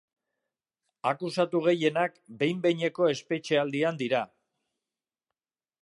Akusatu gehienak behin-behineko espetxealdian dira.